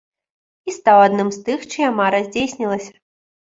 І стаў адным з тых, чыя мара здзейснілася.